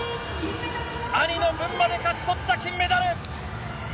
兄の分まで勝ち取った金メダル！